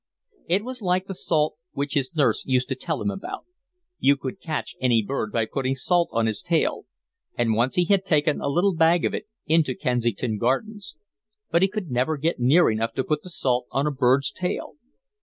It was like the salt which his nurse used to tell him about: you could catch any bird by putting salt on his tail; and once he had taken a little bag of it into Kensington Gardens. But he could never get near enough to put the salt on a bird's tail.